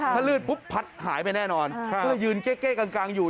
ถ้าลื่นปุ๊บพัดหายไปแน่นอนเพื่อยืนเกร็ดเกร็ดกลางอยู่